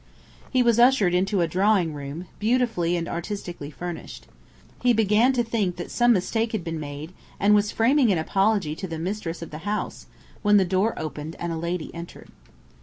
He was ushered into a drawing room, beautifully and artistically furnished. He began to think that some mistake had been made, and was framing an apology to the mistress of the house, when the door opened and a lady entered.